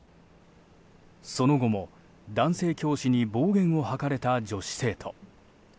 その後も、男性教師に暴言を吐かれた女子生徒。